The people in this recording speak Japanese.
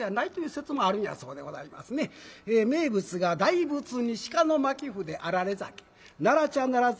名物が「大仏に鹿の巻筆あられ酒奈良茶奈良漬